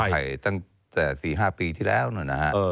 ไทยตั้งแต่๔๕ปีที่แล้วนู่นนะฮะ